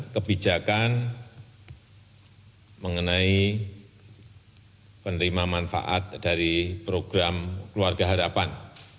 kebijakan mengenai penerima manfaat dari program keluarga harapan